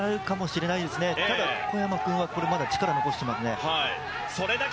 ただ、小山君はまだ力を残していますね。